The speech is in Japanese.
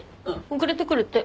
遅れてくるって。